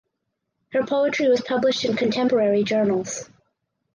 Her poetry was published in contemporary journals.